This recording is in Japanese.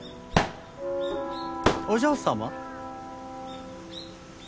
お嬢様。